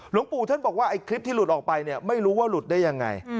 หลวงปู่ท่านบอกว่าไอ้คลิปที่หลุดออกไปเนี่ยไม่รู้ว่าหลุดได้ยังไง